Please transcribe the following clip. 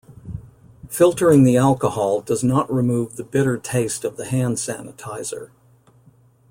Filtering the alcohol does not remove the bitter taste of the hand sanitizer.